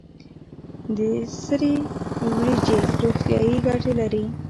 د سرې وریجې روغتیایی ګټې لري.